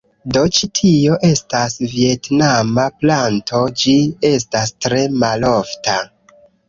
Do, ĉi tio estas vjetnama planto ĝi estas tre malofta